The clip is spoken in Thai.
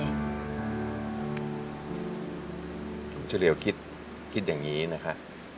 คุณเฉลี่ยวคิดอย่างนี้นะคะ